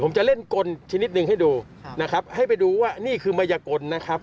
ผมจะเล่นกลชนิดหนึ่งให้ดูนะครับให้ไปดูว่านี่คือมัยกลนะครับ